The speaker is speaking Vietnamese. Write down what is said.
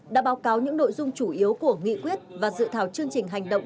đã báo cáo những nội dung chủ yếu của nghị quyết và dự thảo chương trình hành động